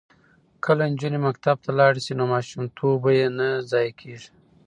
که نجونې مکتب ته لاړې شي نو ماشوم توب به یې نه ضایع کیږي.